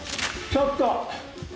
ちょっと。